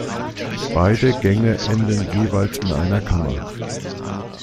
Beide Gänge enden jeweils in einer Kammer.